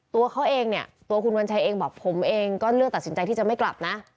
ตัวเขาเองเนี่ยตัวคุณวัญชัยเองบอกผมเองก็เลือกตัดสินใจที่จะไม่กลับนะ